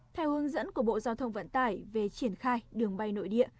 theo hướng dẫn của bộ giao thông vận tải về triển khai đường bay nội địa